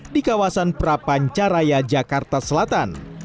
di kawasan prapancaraya jakarta selatan